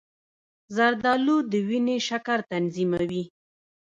زردآلو د وینې شکر تنظیموي.